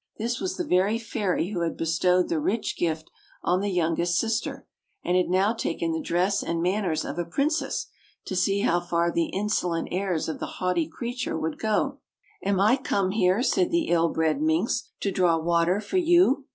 This was the very fairy who had bestowed the rich gift on the youngest sister, and had now taken the dress and manners of a princess to see how far the insolent airs of the haughty creature would go. "Am I come here," said the ill bred minx, "to draw water for you?